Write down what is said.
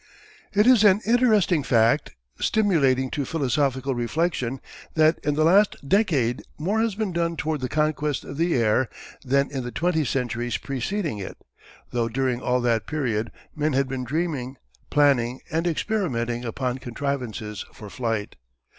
It is an interesting fact, stimulating to philosophical reflection, that in the last decade more has been done toward the conquest of the air, than in the twenty centuries preceding it, though during all that period men had been dreaming, planning, and experimenting upon contrivances for flight.